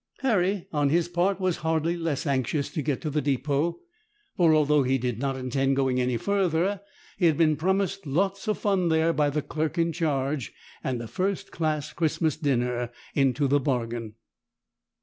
Harry on his part was hardly less anxious to get to the depot; for, although he did not intend going any further, he had been promised lots of fun there by the clerk in charge, and a first class Christmas dinner into the bargain.